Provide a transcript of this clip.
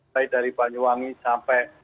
baik dari banyuwangi sampai